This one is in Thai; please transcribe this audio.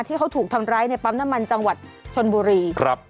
ที่เขาถูกทำร้ายในปั๊มน้ำมันจังหวัดชนบุรีครับ